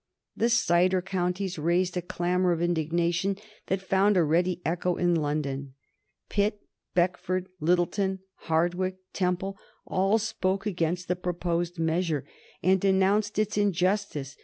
The cider counties raised a clamor of indignation that found a ready echo in London. Pitt, Beckford, Lyttelton, Hardwicke, Temple, all spoke against the proposed measure and denounced its injustice.